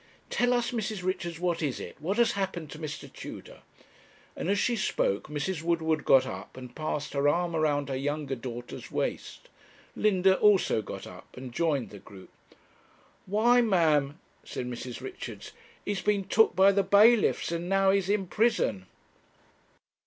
'Tell us, Mrs. Richards, what is it what has happened to Mr. Tudor?' and as she spoke Mrs. Woodward got up and passed her arm around her younger daughter's waist Linda also got up and joined the group. 'Why, ma'am,' said Mrs. Richards, 'he's been took by the bailiffs, and now he's in prison.'